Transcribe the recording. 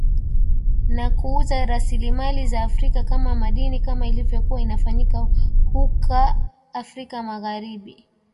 na na kuuza rasilimali za afrika kama madini kama ilivyokuwa inafanyika huka afrika magharibi